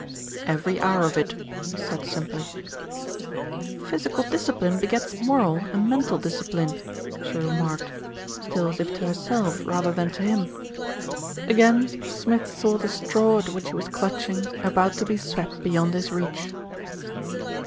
"Every hour of it," he said simply. '"Physical discipline begets moral and mental dis LITTLE BILSTEAD RECEIVES A SHOCK 83 cipline," she remarked, still as if to herself rather than to him. Again Smith saw the straw at which he was clutch ing about to be swept beyond his reach.